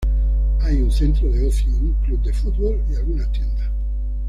Hay un centro de ocio, un club de fútbol y algunas tiendas.